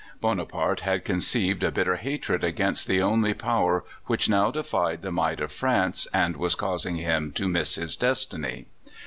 Bonaparte had conceived a bitter hatred against the only Power which now defied the might of France, and was causing him "to miss his destiny."